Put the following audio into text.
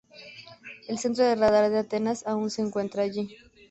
El centro de radar de Atenas aún se encuentra allí.